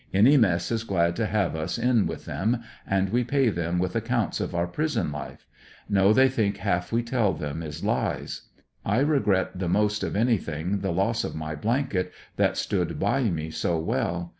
Any mess is glad to have us in with them, and we pay them with accounts of our prison life. Know they think half we tell them is lies. I regret the most of any thing, the loss of my blanket that stood by me so well.